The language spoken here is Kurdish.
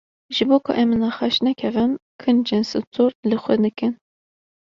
Ji bo ku em nexweş nekevin, kincên stûr li xwe dikin.